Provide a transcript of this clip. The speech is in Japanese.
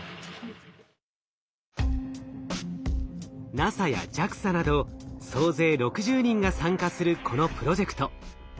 ＮＡＳＡやＪＡＸＡなど総勢６０人が参加するこのプロジェクト。